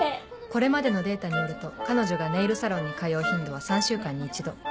これまでのデータによると彼女がネイルサロンに通う頻度は３週間に１度